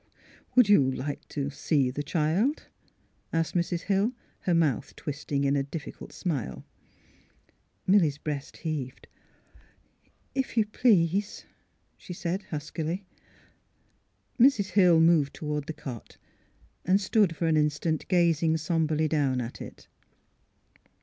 *' Would you — like to see the child! " asked Mrs. Hill, her mouth twisting in a difficult smile. Milly's breast heaved. '* If — you please," she said, huskily. Mrs. Hill moved toward the cot and stood for an instant gazing somberly down at it.